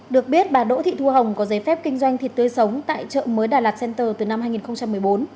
được biết bà đỗ thị thu hồng có giấy phép kinh doanh thịt tươi sống tại chợ mới đà lạt center từ năm hai nghìn một mươi bốn